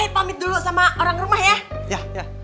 hai eh pamit dulu sama orang rumah ya ya